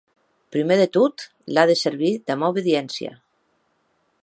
Prumèr de tot l’a de servir damb aubediéncia.